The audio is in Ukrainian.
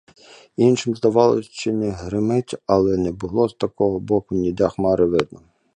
Іншим здавалося, чи не гримить, але не було з того боку ніде хмари видно.